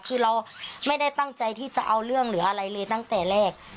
คือเราไม่ได้ตั้งใจที่จะเอาเรื่องหรืออะไรเลยตั้งแต่แรก